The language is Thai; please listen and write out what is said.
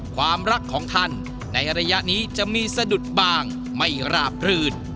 ความรักของท่านในระยะนี้จะมีสะดุดบางไม่ราบรื่น